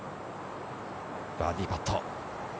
バーディーパット。